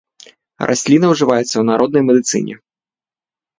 Расліна ўжываецца ў народнай медыцыне.